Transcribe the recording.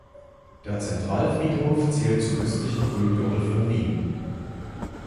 Der Zentralfriedhof zählt zum östlichen Grüngürtel von Wien.